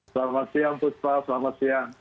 selamat siang bu celi selamat siang